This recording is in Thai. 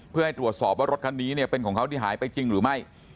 เพื่อให้ตรวจสอบว่ารถคันนี้เนี่ยเป็นของเขาที่หายไปจริงหรือไม่